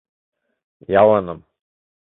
Ялыным.